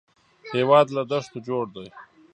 هېواد له دښتو جوړ دی